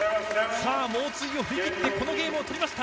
さあ猛追を振り切って、このゲームを取りました！